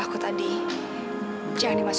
aku juga bisa berhubung dengan kamu